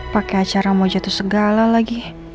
pakai acara mau jatuh segala lagi